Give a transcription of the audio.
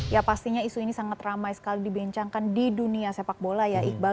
ya pastinya isu ini sangat ramai sekali dibincangkan di dunia sepak bola ya iqbal